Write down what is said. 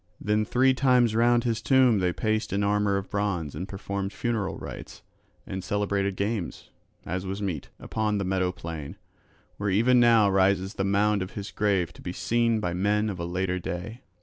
Then three times round his tomb they paced in armour of bronze and performed funeral rites and celebrated games, as was meet, upon the meadow plain, where even now rises the mound of his grave to be seen by men of a later day.